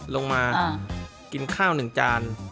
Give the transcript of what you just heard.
ลงมากินข้าวหนึ่งจาน